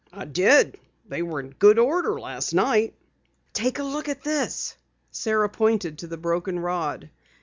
"I did. They were in good order last night." "Take a look at this." Sara pointed to the broken rod.